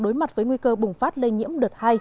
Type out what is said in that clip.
đối mặt với nguy cơ bùng phát lây nhiễm đợt hai